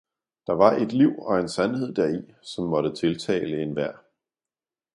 der var et liv og en sandhed deri, som måtte tiltale enhver.